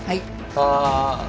ああ。